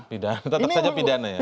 tidak hanya pidana ya